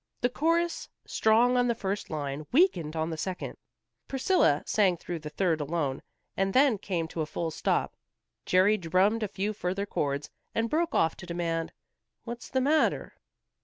The chorus, strong on the first line, weakened on the second. Priscilla sang through the third alone, and then came to a full stop. Jerry drummed a few further chords, and broke off to demand, "What's the matter?"